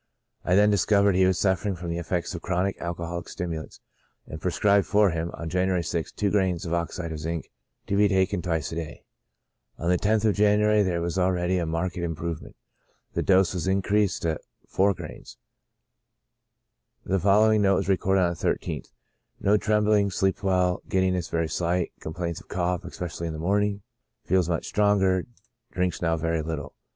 I then discovered he was suffering from the effects of alcoholic stimulants, and prescribed for him, on January 6th, two grains of oxide ■ of zinc to be taken twice a day. On the loth of January there was already a marked im provement ; the dose was increased to gr.iv. The following note was recorded on the 13th :" No trembling, sleeps well, giddiness very slight ; complains of cough, especially in the morning; feels much stronger; drinks now very little."